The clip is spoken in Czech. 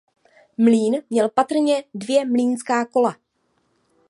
Mlýn měl patrně dvě mlýnská kola.